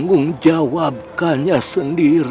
tim tim tim tim tim